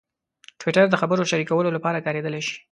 ټویټر د خبرونو شریکولو لپاره کارېدلی شي.